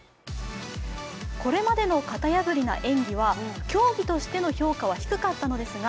これまでの型破りな演技は競技としての評価は低かったのですが